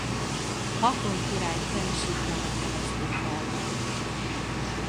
Haakon király fennsíkjának nevezték el.